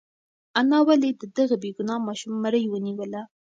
انا ولې د دغه بېګناه ماشوم مرۍ ونیوله؟